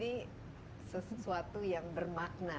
ini sesuatu yang bermakna